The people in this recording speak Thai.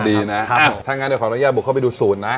ถ้างั้นเดี๋ยวขออนุญาตบุกเข้าไปดูสูตรนะ